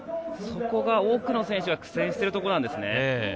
そこが多くの選手が苦戦しているところなんですね。